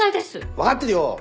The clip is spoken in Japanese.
分かってるよ！